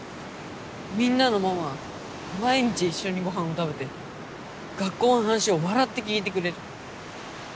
みんなのママは毎日一緒にごはんを食べて学校の話を笑って聞いてくれる。